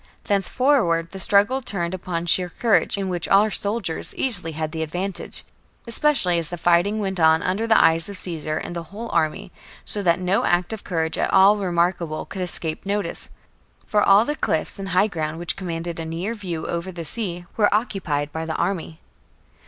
Thenceforward the struggle turned upon sheer courage, in which our soldiers easily had the advantage, especially as the fighting went on under the eyes of Caesar and the whole army, so that no act of courage at all remarkable could escape notice ; for all the cliffs and high ground which commanded a near view over the sea were occupied by the army.